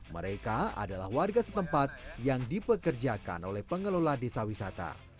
mereka adalah warga setempat yang dipekerjakan oleh pengelola desa wisata